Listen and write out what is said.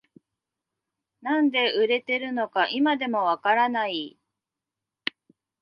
なんで売れてるのか今でもわからない